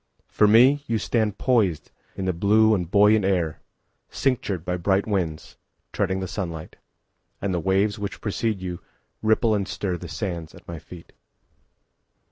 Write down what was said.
For me, You stand poisedIn the blue and buoyant air, Cinctured by bright winds, Treading the sunlight. And the waves which precede youRipple and stirThe sands at my feet.